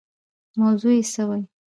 موضوع یې څه وي.